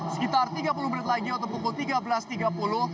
sekitar tiga puluh menit lagi atau pukul tiga belas tiga puluh